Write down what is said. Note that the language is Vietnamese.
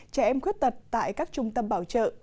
trẻ em khuyết tật tại các trung tâm bảo trợ